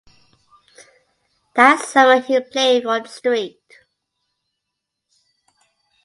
That summer he played for the St.